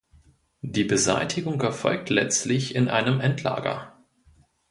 Die Beseitigung erfolgt letztlich in einem Endlager.